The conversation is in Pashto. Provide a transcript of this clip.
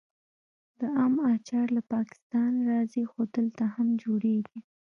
د ام اچار له پاکستان راځي خو دلته هم جوړیږي.